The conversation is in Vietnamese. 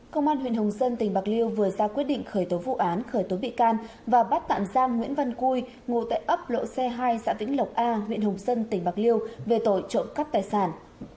công an huyện hồng sân tỉnh bạc liêu vừa ra quyết định khởi tố vụ án khởi tố bị can và bắt tạm giam nguyễn văn cui ngồi tại ấp lộ xe hai xã vĩnh lộc a huyện hồng sân tỉnh bạc liêu về tội trộm cắt tài sản